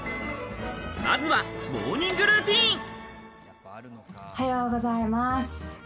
まずはモーニングルおはようございます。